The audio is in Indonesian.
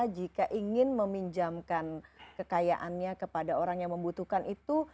jika ingin meminjamkan kekayaannya kepada orang yang membutuhkan itu